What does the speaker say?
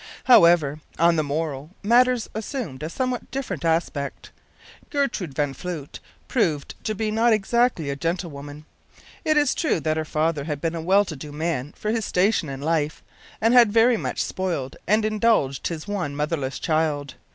However, on the morrow matters assumed a somewhat different aspect. Gertrude van Floote proved to be not exactly a gentlewoman. It is true that her father had been a well to do man for his station in life, and had very much spoiled and indulged his one motherless child.